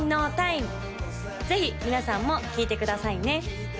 ぜひ皆さんも聴いてくださいね